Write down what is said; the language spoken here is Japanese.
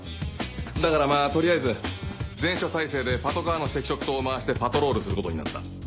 だからまぁ取りあえず全署態勢でパトカーの赤色灯を回してパトロールすることになった。